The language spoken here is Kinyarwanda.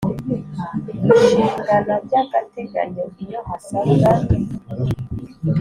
Gishingana by agateganyo iyo hasabwa